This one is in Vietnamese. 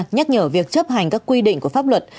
nhắc nhở việc chấp hành các quy định của pháp luật